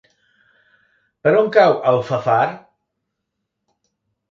Per on cau Alfafar?